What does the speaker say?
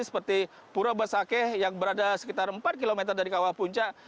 seperti pura basakeh yang berada sekitar empat km dari kawah puncak